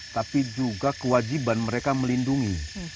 tapi juga kewajiban mereka melindungi